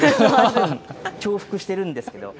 重複してるんですけど。